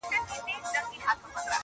نن مي په دېوان کي د جانان حماسه ولیکه-